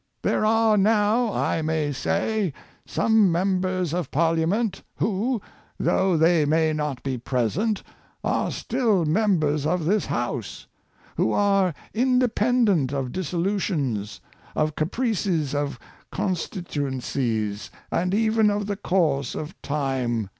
There are now, I may say, some members of Parliament who, though they may not be present, are still members of this House — who are in dependent of dissolutions, of the caprices of constituen cies, and even of the course of time.